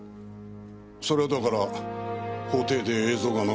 それはだから法廷で映像が流れて。